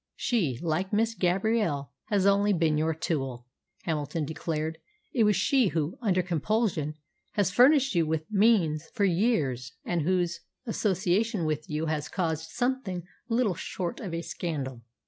"She, like Miss Gabrielle, has only been your tool," Hamilton declared. "It was she who, under compulsion, has furnished you with means for years, and whose association with you has caused something little short of a scandal.